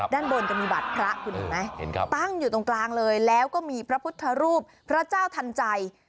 ด้านบนจะมีบัตรพระคุณเห็นไหมตั้งอยู่ตรงกลางเลยแล้วก็มีพระพุทธรูปพระเจ้าทันใจ